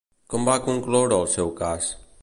Com va concloure el seu cas?